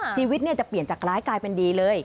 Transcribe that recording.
ชีวิตจะเปลี่ยนจากร้ายกลายเป็นดีเลย